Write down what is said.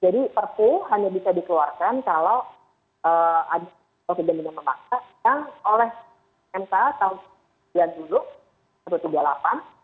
jadi prp hanya bisa dikeluarkan kalau ada kebencian memaksa yang oleh mk tahun seribu sembilan ratus sembilan puluh delapan